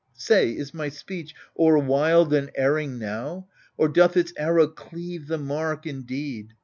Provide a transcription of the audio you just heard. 54 AGAMEMNON Say, is my speech or wild and erring now, Or doth its arrow cleave the mark indeed